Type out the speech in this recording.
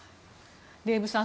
デーブさん